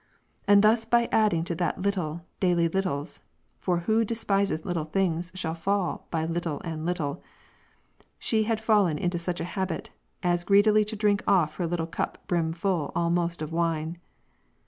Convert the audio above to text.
And Ecclus. thus by adding to that little, daily littles, {for ivhoso despisefh ^^»'• little tilings, shall fall by little and little,) she had fallen into such a habit, as greedily to drink off her little cup brim full almost of wine.